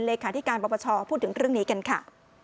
เลขาธิการปปชพูดถึงเรื่องนี้กันค่ะ